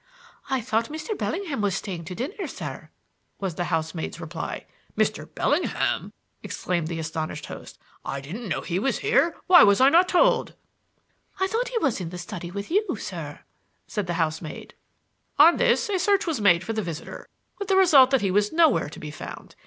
"'I thought Mr. Bellingham was staying to dinner, sir,' was the housemaid's reply. "'Mr. Bellingham!' exclaimed the astonished host. 'I didn't know he was here. Why was I not told?' "'I thought he was in the study with you, sir,' said the housemaid. "On this a search was made for the visitor, with the result that he was nowhere to be found.